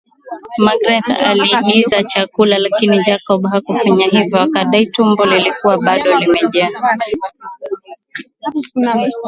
Magreth aliagiza chakula lakini Jacob hakufanya hivyo akidai tumbo lilikuwa bado limejaa